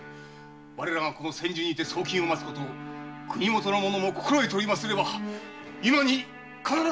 我らがこの千住にて送金を待つこと国元の者も心得ておりますれば今に必ず。